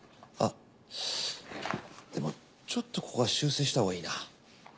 あっでもちょっとここは修正したほうがいいな。